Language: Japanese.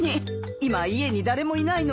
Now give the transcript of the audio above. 今家に誰もいないのよ。